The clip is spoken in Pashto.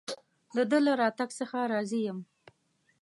د ده له راتګ څخه راضي یم.